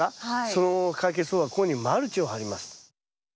その解決方法はここにマルチを張ります。